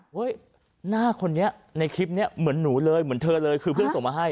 หน้าคนนี้ในคลิปนี้เหมือนหนูเลยเหมือนเธอเลยคือเพื่อนส่งมาให้